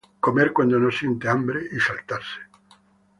comer cuando no siente hambre y saltarse